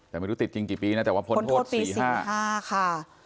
แต่ไม่รู้ติดจริงกี่ปีนะแต่ว่าพ้นโทษ๔๕๕ค่ะ